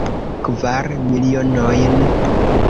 Kvar milionojn.